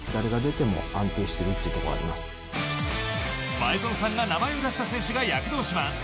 前園さんが名前を出した選手が躍動します。